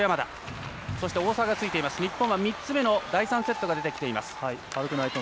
日本は３つ目の第３セットが出てきています。